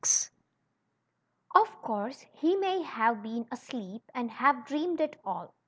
O F course lie may have been asleep and have dreamed it all.